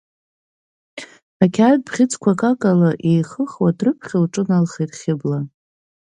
Ақьаад бӷьыцқәа акакала еихыхуа дрыԥхьо лҿыналхеит Хьыбла.